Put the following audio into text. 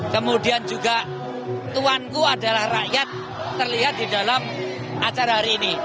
kemudian juga tuanku adalah rakyat terlihat di dalam acara hari ini